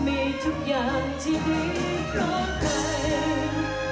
มีทุกอย่างที่ดีเพราะใคร